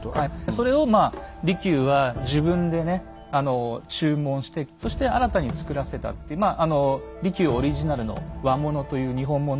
それをまあ利休は自分でねあの注文してそして新たに作らせたっていう利休オリジナルの和物という日本物